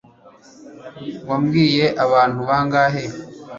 Wabwiye abantu bangahe